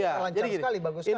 lancar sekali bagus sekali